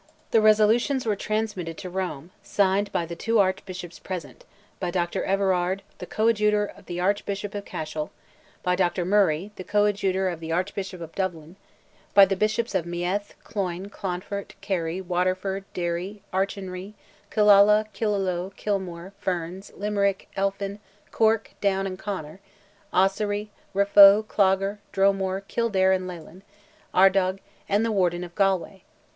The resolutions were transmitted to Rome, signed by the two Archbishops present, by Dr. Everard, the coadjutor of the Archbishop of Cashel, by Dr. Murray, the coadjutor of the Archbishop of Dublin, by the Bishops of Meath, Cloyne, Clonfert, Kerry, Waterford, Derry, Achonry, Killala, Killaloe, Kilmore, Ferns, Limerick, Elphin, Cork, Down and Conor, Ossory, Raphoe, Clogher, Dromore, Kildare and Leighlin, Ardagh, and the Warden of Galway.